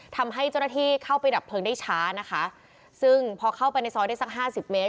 ทำให้เจ้าหน้าที่เข้าไปดับเพลิงได้ช้านะคะซึ่งพอเข้าไปในซอยได้สักห้าสิบเมตร